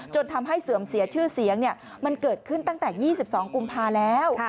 จนทำให้เสื่อมเสียชื่อเสียงมันเกิดขึ้นตั้งแต่๒๒กุมภาแล้ว